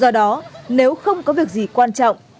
do đó nếu không có việc gì quan trọng